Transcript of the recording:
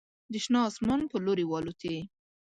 د شنه اسمان په لوري والوتې